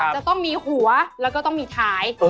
จะต้องมีหัวแล้วก็ต้องมีท้าย